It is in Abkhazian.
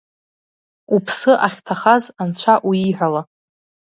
Уԥсы ахьҭахаз анцәа уиҳәала!